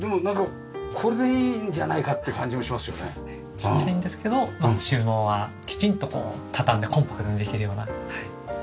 ちっちゃいんですけど収納はきちんと畳んでコンパクトにできるような。